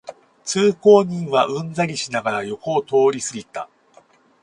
通行人はうんざりしながら横を通りすぎた